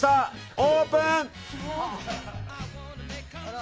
オープン！